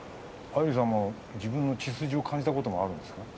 アイリさんは自分の血筋を感じたことあるんですか？